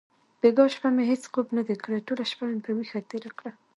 بیګا شپه مې هیڅ خوب ندی کړی. ټوله شپه مې په ویښه تېره کړه.